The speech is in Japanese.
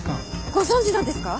ご存じなんですか！？